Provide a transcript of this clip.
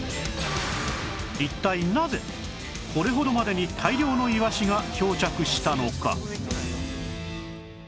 一体なぜこれほどまでに大量のイワシが漂着したのか？